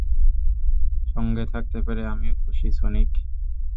সঙ্গে থাকতে পেরে আমিও খুশি, সনিক।